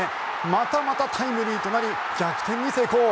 またまたタイムリーとなり逆転に成功。